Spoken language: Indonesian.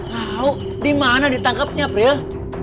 tau dimana ditangkepnya april